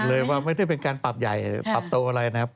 เลยว่าไม่ได้เป็นการปรับใหญ่ปรับตัวอะไรนะครับ